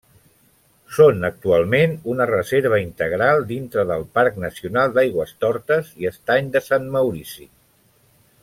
Són actualment una reserva integral dintre del Parc Nacional d'Aigüestortes i Estany de Sant Maurici.